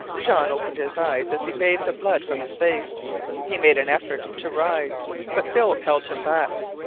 Jean opened his eyes as he bathed the blood from his face. He made an effort to rise, but Philip held him back.